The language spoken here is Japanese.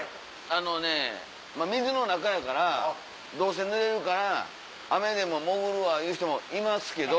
あのねまぁ水の中やからどうせぬれるから雨でも潜るわいう人もいますけど。